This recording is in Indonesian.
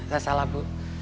gak salah bu